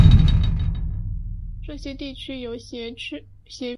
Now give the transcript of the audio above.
这些地区由协约国和美国军队占领。